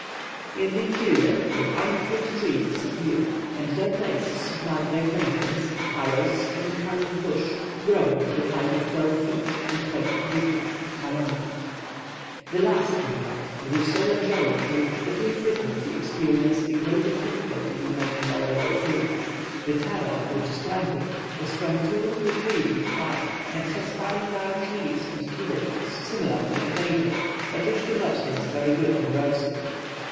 In the interior, the fine fruit trees disappear, and their place is supplied by plantains, tarros, and a kind of bush, growing to the height of twelve feet, and called Oputu (Maranta); the last, in fact, grew so luxuriantly, that we frequently experienced the greatest difficulty in making our way through. The tarro, which is planted, is from two to three feet high, and has fine large leaves and tubercles, similar to the potato, but which do not taste very good when roasted.